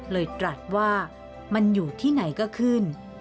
ตรัสว่ามันอยู่ที่ไหนก็ขึ้น